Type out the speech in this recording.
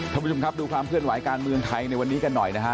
ท่านผู้ชมครับดูความเคลื่อนไหวการเมืองไทยในวันนี้กันหน่อยนะฮะ